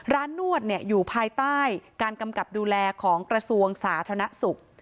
นวดอยู่ภายใต้การกำกับดูแลของกระทรวงสาธารณสุข